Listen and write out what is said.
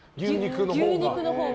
牛肉のほうが。